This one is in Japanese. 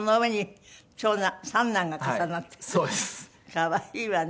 可愛いわね。